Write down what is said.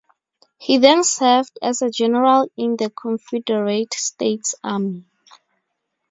He then served as a general in the Confederate States Army.